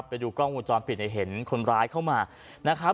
ไปดูกล้องมูลจรปิดให้เห็นคนร้ายเข้ามา